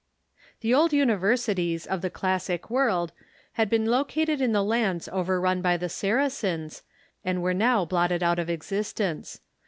The old universities of the classic Avorld had been located in the lands overrun by the Saracens, and were now blotted out of existence.